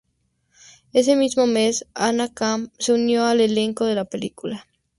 Ese mismo mes, Anna Camp se unió al elenco de la película.